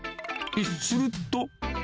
すると。